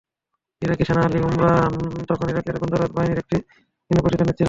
ইরাকি সেনা Ali Omran তখন ইরাকের গোলন্দাজ বাহিনীর একটি কেন্দ্রে প্রশিক্ষণ নিচ্ছিলেন।